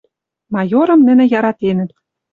Майорым нӹнӹ яратенӹт